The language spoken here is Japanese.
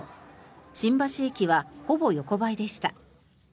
新橋駅は、ほぼ横ばいでした。